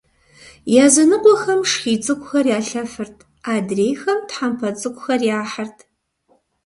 Языныкъуэхэм шхий цӏыкӏухэр ялъэфырт, адрейхэм тхьэмпэ цӏыкӏухэр яхьырт.